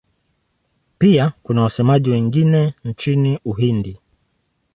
Pia kuna wasemaji wengine nchini Uhindi.